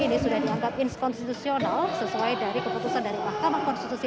ini sudah dianggap inskonstitusional sesuai dari keputusan dari mahkamah konstitusi